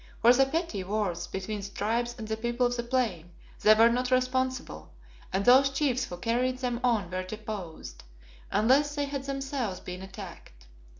For the petty wars between the Tribes and the people of the Plain they were not responsible, and those chiefs who carried them on were deposed, unless they had themselves been attacked.